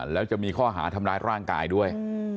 แล้วจะมีข้อหาทำร้ายร่างกายด้วย